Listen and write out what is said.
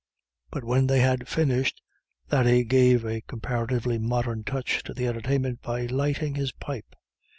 But when they had finished Thady gave a comparatively modern touch to the entertainment by lighting his pipe.